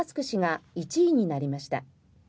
氏が１位になりました。